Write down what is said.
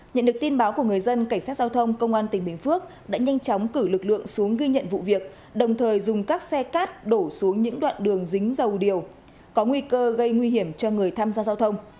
nhận được tin báo của người dân cảnh sát giao thông công an tỉnh bình phước đã nhanh chóng cử lực lượng xuống ghi nhận vụ việc đồng thời dùng các xe cát đổ xuống những đoạn đường dính dầu điều có nguy cơ gây nguy hiểm cho người tham gia giao thông